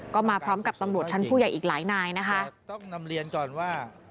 ก็มาพร้อมกับตำรวจชั้นผู้ใหญ่อีกหลายนายนะคะ